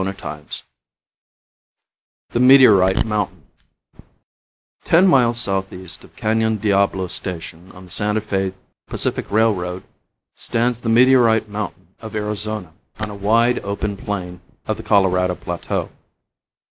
CHAPTER XI THE METEORITE MOUNTAIN Ten miles southeast of Canon Diablo station on the Santa Fe Pacific Railroad, stands the Meteorite Mountain of Arizona, on a wide, open plain of the Colorado Plateau.